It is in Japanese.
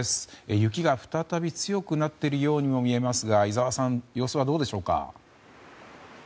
雪が再び強くなっているようにも見えますが井澤さん、様子はどうですか。